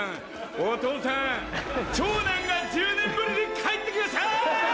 お父さん長男が１０年ぶりに帰って来ました！